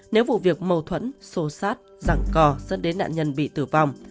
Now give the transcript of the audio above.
nếu vụ việc mâu thuẫn xô sát răng cò dẫn đến nạn nhân bị tử vong